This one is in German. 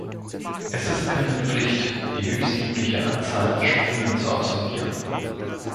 Es ist keine Pflicht, die höchstmögliche Anzahl an Sprüngen zu absolvieren.